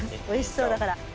おいしそうだから。